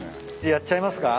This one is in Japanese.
やっちゃいますか？